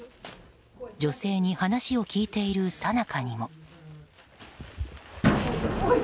女性に話を聞いているさなかにも。